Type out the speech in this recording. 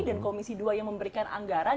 dan komisi dua yang memberikan anggaran